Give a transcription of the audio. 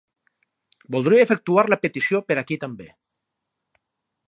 Voldria efectuar la petició per aquí també.